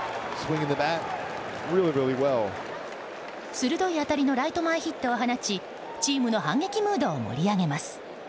鋭い当たりのライト前ヒットを放ちチームの反撃ムードを盛り上げます。